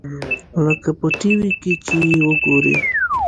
لکه په ټي وي کښې چې يې وګورې.